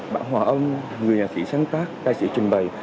bạn hòa âm người nhà sĩ sáng tác đại sĩ trình bày